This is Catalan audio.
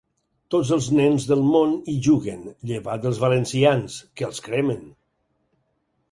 Tots els nens del món hi juguen, llevat dels valencians, que els cremen.